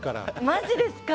マジですか？